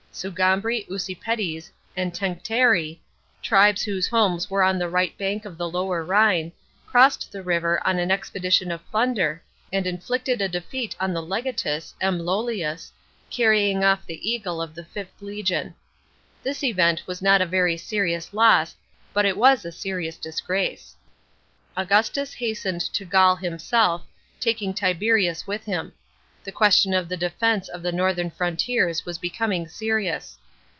Sugambri, Usipetes, and Tencteri, tribes whose homes were on the right bank of the lower Rhine, crossed the river on an expedition of plunder, and inflicted a defeat on the legatus, M. LolHus, carrying off the eagle of the Vth legion. This event was not a very serious loss, but it was a serious disgrace.* Augustus hastened to Gaul himself, taking Tiberius with him ; the question of the defence of the northern frontiers was becoming serious.